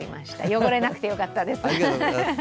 汚れなくてよかったです。